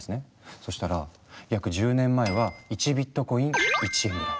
そしたら約１０年前は１ビットコイン１円ぐらい。